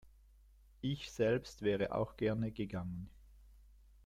Ich selbst wäre auch gern gegangen.